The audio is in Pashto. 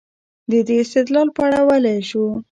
د دې استدلال په اړه ویلای شو.